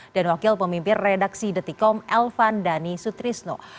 dan wakil pemimpin redaksi detikom elvan dhani sutrisno